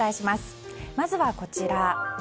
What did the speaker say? まずは、こちら。